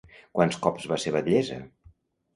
Quants cops va ser batllessa?